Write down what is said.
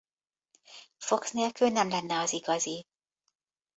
Fox nélkül nem lenne az igazi.